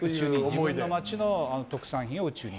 自分の町の特産品を宇宙に。